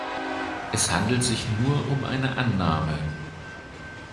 Es handelt sich nur um eine Annahme.